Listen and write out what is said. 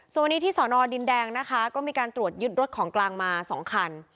ส่วนวันนี้ที่สอนอดินแดงนะคะก็มีการตรวจยึดรถของกลางมา๒คัน